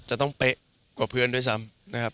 จะต้องเป๊ะกว่าเพื่อนด้วยซ้ำนะครับ